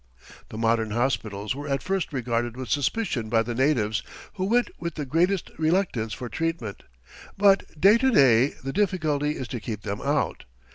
The modern hospitals were at first regarded with suspicion by the natives, who went with the greatest reluctance for treatment. But to day the difficulty is to keep them out.